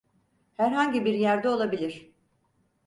Herhangi bir yerde olabilir.